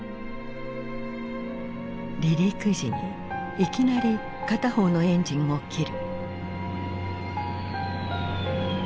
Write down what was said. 離陸時にいきなり片方のエンジンを切る。